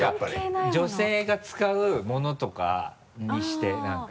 女性が使う物とかにして何か。